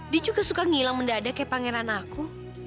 dia juga suka ngilang mendadak kayak pangeran aku